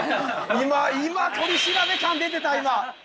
◆今、取り調べ感が出てた！